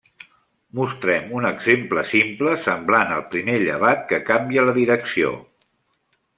Mostrem un exemple simple semblant al primer llevat que canvia la direcció.